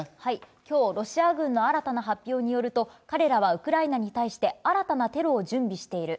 きょう、ロシア軍の新たな発表によると、彼らはウクライナに対して、新たなテロを準備している。